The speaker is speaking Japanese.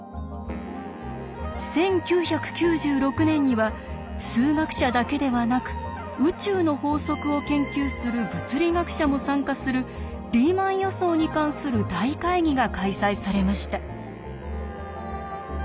１９９６年には数学者だけではなく宇宙の法則を研究する物理学者も参加するリーマン予想に関する大会議が開催されました。